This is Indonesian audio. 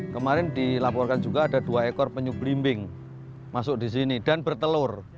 kemarin dilaporkan juga ada dua ekor penyu belimbing masuk di sini dan bertelur